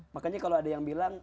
makanya kalau ada yang bilang